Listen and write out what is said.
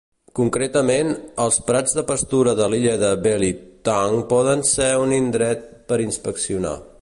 Concretament, els prats de pastura de l'illa de Belitung poden ser un indret per inspeccionar.